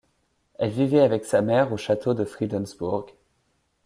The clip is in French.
Elle vivait avec sa mère au château de Friedensburg.